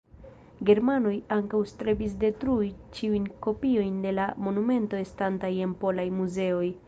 Germanoj ankaŭ strebis detrui ĉiujn kopiojn de la monumento estantaj en polaj muzeoj.